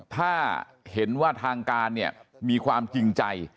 ถ้าเห็นว่าทางการเนี่ยมีความจริงใจ